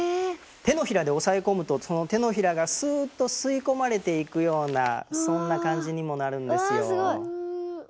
手のひらで押さえ込むとその手のひらがスーッと吸い込まれていくようなそんな感じにもなるんですよ。わすごい！